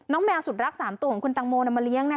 น้องแมวสุดรักสามตัวของคุณตังโมมาเลี้ยง